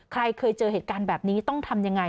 ใครเคยเจอเหตุการณ์แบบนี้ต้องทำยังไง